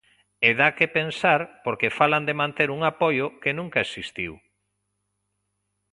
E dá que pensar porque falan de manter un apoio que nunca existiu.